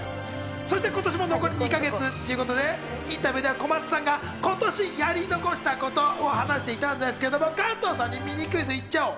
そして今年も残り２か月っちゅことで、インタビューでは小松さんが今年やり残したことを話していたんですけど、加藤さんにミニクイズ行っちゃおう。